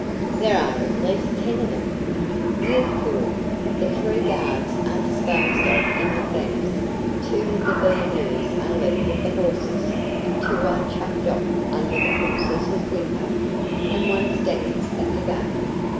There are at least ten of them!" "You fool! The three guards are disposed of in advance, two of the Viennese are left with the horses, two are chucked off under the princess' window, and one stands at the gate.